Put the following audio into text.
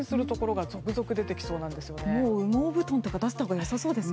もう羽毛布団とか出したほうが良さそうですね。